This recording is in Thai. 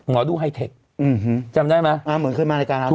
หมอดูงไฮเทคจำได้มั้ย